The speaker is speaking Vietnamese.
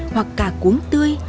hoặc cả cuốn tươi